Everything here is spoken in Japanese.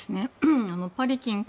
パリ近郊